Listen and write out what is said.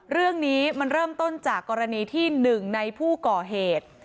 เรื่องนี้มันเริ่มต้นจากกรณีที่หนึ่งในผู้ก่อเหตุ